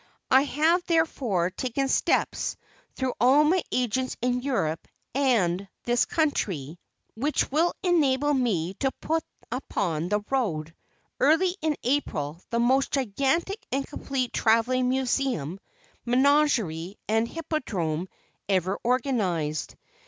I have, therefore, taken steps, through all my agents in Europe and this country, which will enable me to put upon the road, early in April, the most gigantic and complete travelling museum, menagerie and hippodrome ever organized.